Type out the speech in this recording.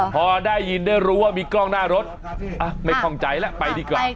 พอได้ยินได้รู้ว่ามีกล้องหน้ารถไม่คล่องใจแล้วไปดีกว่า